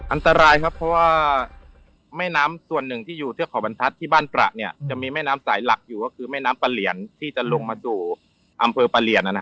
อันตรายครับเพราะว่าแม่น้ำส่วนหนึ่งที่อยู่เทือกเขาบรรทัศน์ที่บ้านตระเนี่ยจะมีแม่น้ำสายหลักอยู่ก็คือแม่น้ำปะเหลียนที่จะลงมาสู่อำเภอประเหลียน